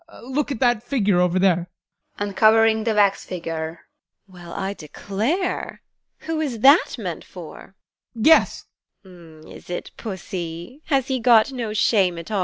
Look at that figure over there. TEKLA. [Uncovering the wax figure] Well, I declare! Who is that meant for? ADOLPH. Guess! TEKLA. Is it Pussy? Has he got no shame at all?